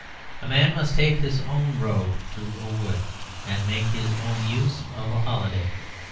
A man must take his own road through a wood, and make his own use of a holiday.